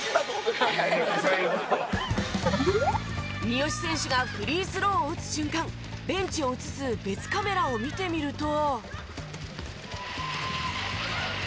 三好選手がフリースローを打つ瞬間ベンチを映す別カメラを見てみると。